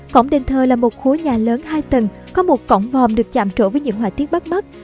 cổng đền thơ là một khối nhà lớn hai tầng có một cổng vòm được chạm trộn với những họa tiết bắt mắt